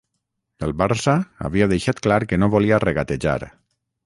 El Barça havia deixat clar que no volia regatejar